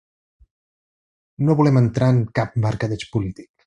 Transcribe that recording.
No volem entrar en cap mercadeig polític.